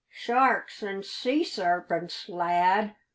"Sharks an' sea sarpents, lad!"